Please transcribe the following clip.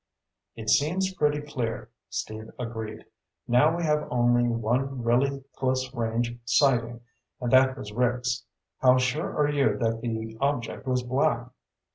"It seems pretty clear," Steve agreed. "Now, we have only one really close range sighting, and that was Rick's. How sure are you that the object was black?"